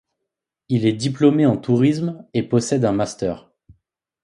Il est diplômé en tourisme et possède un master.